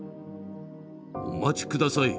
お待ちください。